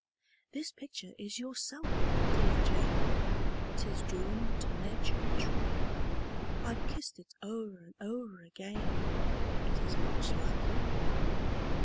"This picture is yourself, dear Jane 'Tis drawn to nature true: I've kissed it o'er and o'er again, It is much like you."